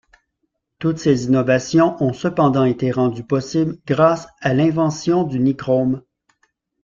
Toutes ces innovations ont cependant été rendues possibles grâce à l'invention du nichrome.